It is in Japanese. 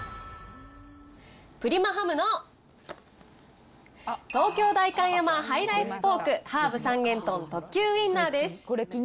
プリマハムの東京代官山ハイライフポークハーブ三元豚特級ウインナーです。